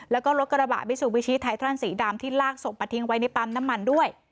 แล้วก็รถกระบะมิซูบิชิไททรอนสีดำที่ลากศพมาทิ้งไว้ในปั๊มน้ำมันด้วย